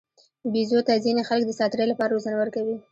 بیزو ته ځینې خلک د ساتیرۍ لپاره روزنه ورکوي.